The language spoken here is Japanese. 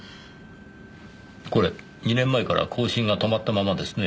これ２年前から更新が止まったままですね。